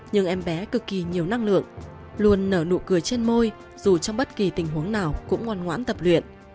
nhưng em bé cực kỳ nhiều năng lượng luôn nở nụ cười trên môi dù trong bất kỳ tình huống nào cũng ngoan ngoãn tập luyện